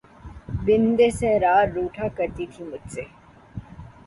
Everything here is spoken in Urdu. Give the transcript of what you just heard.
بنت صحرا روٹھا کرتی تھی مجھ سے